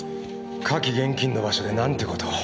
火気厳禁の場所で何てことを。